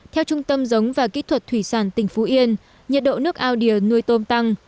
theo trung tâm giống và kỹ thuật thủy sản tỉnh phú yên nhiệt độ nước ao đìa nuôi tôm tăng